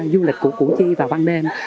du lịch của củ chi vào ban đêm